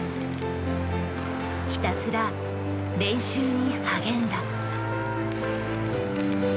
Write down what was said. ひたすら練習に励んだ。